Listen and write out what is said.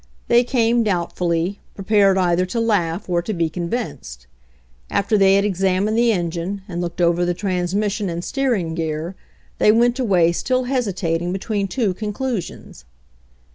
They came doubtfully, prepared either to laugh or to be convinced. After they had exam ined the engine and looked over the transmission and steering gear they went away still hesitating between two conclusions.